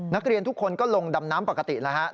นักเรียนทุกคนก็ลงดำน้ำปกติแล้วฮะ